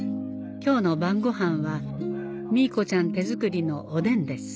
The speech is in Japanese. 今日の晩ごはんはミーコちゃん手作りのおでんです